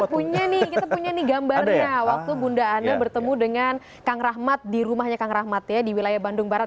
punya nih kita punya nih gambarnya waktu bunda ana bertemu dengan kang rahmat di rumahnya kang rahmat ya di wilayah bandung barat